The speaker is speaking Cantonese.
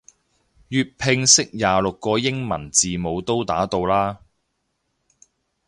粵拼識廿六個英文字母都打到啦